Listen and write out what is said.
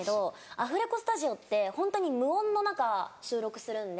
アフレコスタジオってホントに無音の中収録するんで。